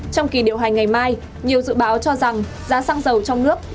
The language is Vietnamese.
trong kỳ điều hành ngày mai nhiều dự báo cho rằng giá xăng dầu trong nước